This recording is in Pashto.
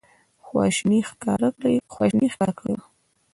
خواشیني ښکاره کړې وه.